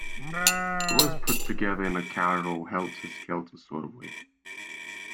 It was put together in a casual, helter-skelter sort of way.